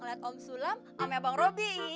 ngeliat om sulam sama abang robi